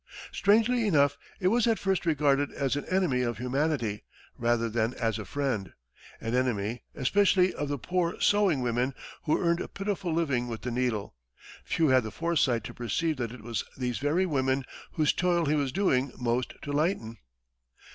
Strangely enough, he was at first regarded as an enemy of humanity, rather than as a friend; an enemy, especially, of the poor sewing women who earned a pitiful living with the needle. Few had the foresight to perceive that it was these very women whose toil he was doing most to lighten!